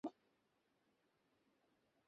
এইখানে মেয়েদের ও সাধারণ পাড়াপড়শির ভিড়।